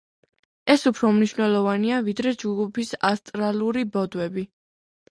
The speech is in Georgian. ეს უფრო მნიშვნელოვანია, ვიდრე ჯგუფის ასტრალური ბოდვები.